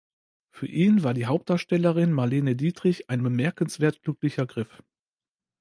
Für ihn war die Hauptdarstellerin Marlene Dietrich „ein bemerkenswert glücklicher Griff.